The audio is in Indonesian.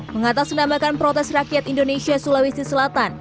mengatas menamakan protes rakyat indonesia sulawesi selatan